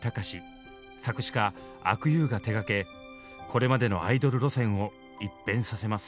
作詞家阿久悠が手がけこれまでのアイドル路線を一変させます。